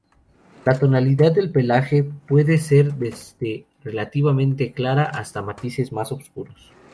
La tonalidad del pelaje puede ser desde relativamente clara hasta matices más oscuros.